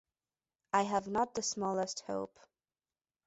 I have not the smallest hope.